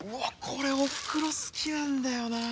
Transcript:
これおふくろ好きなんだよな。